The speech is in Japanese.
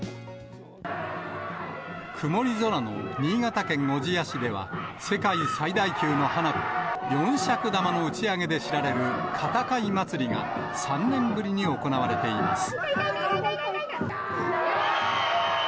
曇り空の新潟県小千谷市では、世界最大級の花火、四尺玉の打ち上げで知られる片貝まつりが３年ぶりに行われています。